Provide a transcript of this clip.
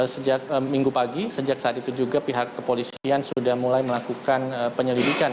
sejak minggu pagi sejak saat itu juga pihak kepolisian sudah mulai melakukan penyelidikan